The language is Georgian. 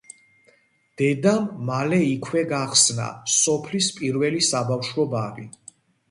დედამ მალე იქვე გახსნა სოფლის პირველი საბავშვო ბაღი.